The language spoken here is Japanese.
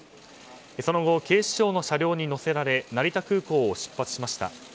その後、警視庁の車両に乗せられ成田空港を出発しました。